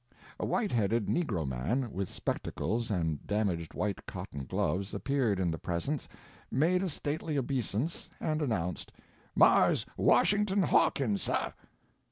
A white headed negro man, with spectacles and damaged white cotton gloves appeared in the presence, made a stately obeisance and announced: "Marse Washington Hawkins, suh."